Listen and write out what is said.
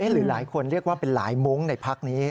หรือหลายคนเรียกว่าเป็นหลายมุ้งในพักนี้